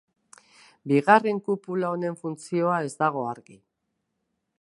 Bigarren kupula honen funtzioa ez dago argi.